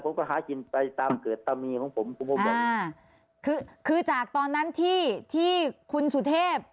ผมก็หากินไปตามเกิดตามีของผมคุณผู้ชมอ่าคือคือจากตอนนั้นที่ที่คุณสุเทพ